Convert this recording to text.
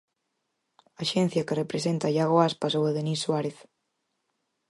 Axencia que representa a Iago Aspas ou a Denis Suárez.